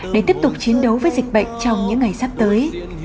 để tiếp tục chiến đấu với dịch bệnh trong những ngày sắp tới